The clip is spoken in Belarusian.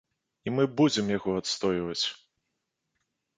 І мы будзем яго адстойваць!